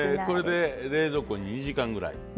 これで冷蔵庫に２時間ぐらい。